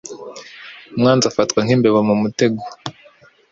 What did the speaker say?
Umwanzi afatwa nkimbeba mumutego.